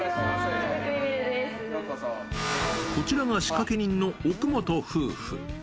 こちらが仕掛け人の奥本夫婦。